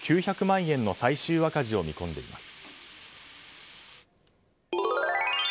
円の最終赤字を見込んでいます。